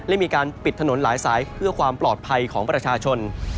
และมีการปิดถนนหลายสายเพื่อความปลอดภัยของประชาชน